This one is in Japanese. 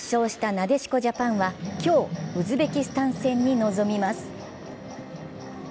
なでしこジャパンは今日ウズベキスタン戦に臨みます。